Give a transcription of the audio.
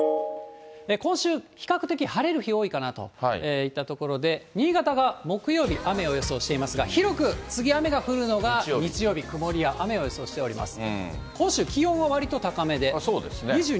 今週、比較的、晴れる日多いかなといったところで、新潟が木曜日、雨を予想していますが、広く、次雨が降るのが日曜日、曇りや雨を予想しています。